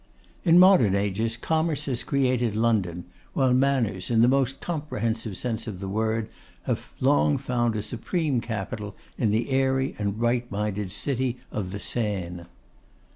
In modern ages, Commerce has created London; while Manners, in the most comprehensive sense of the word, have long found a supreme capital in the airy and bright minded city of the Seine.